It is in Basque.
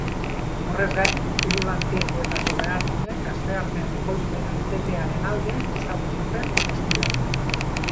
Horrez gain, hiru lantegietako beharginek asteartean ekoizpena etetearen alde bozkatu zuten ostiralean.